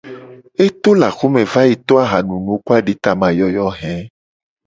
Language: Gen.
E to le axome va yi to ahanunu ku aditamayoyo he.